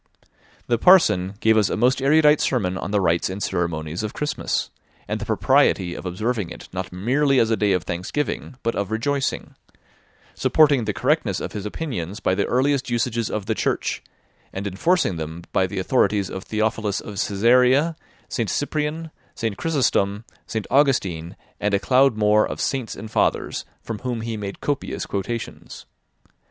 The parson gave us a most erudite sermon on the rites and ceremonies of Christmas, and the propriety of observing it not merely as a day of thanksgiving, but of rejoicing; supporting the correctness of his opinions by the earliest usages of the Church, and enforcing them by the authorities of Theophilus of Cesarea, St. Cyprian, St. Chrysostom, St. Augustine, and a cloud more of Saints and Fathers, from whom he made copious quotations.